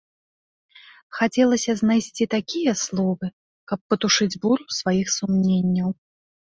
Хацелася знайсці такія словы, каб патушыць буру сваіх сумненняў.